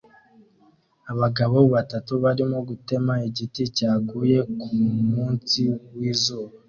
Abagabo batatu barimo gutema igiti cyaguye kumunsi wizuba